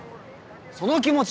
その気持ち！